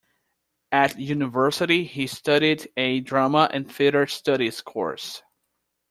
At university he studied a Drama and Theatre Studies course.